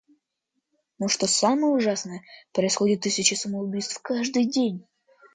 Но что самое ужасное, происходят тысячи самоубийств каждый день.